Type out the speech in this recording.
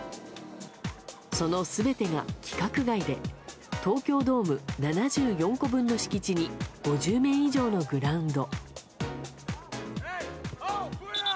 その全てが規格外で東京ドーム７４個分の敷地に５０面以上のグラウンド。